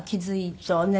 そうね。